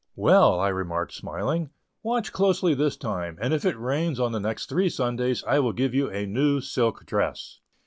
"Well," I remarked, smiling, "watch closely this time, and if it rains on the next three Sundays I will give you a new silk dress."